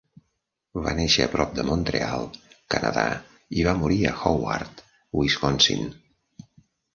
Va néixer prop de Montreal, Canadà i va morir a Howard, Wisconsin.